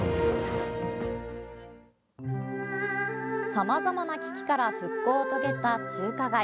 さまざまな危機から復興を遂げた中華街。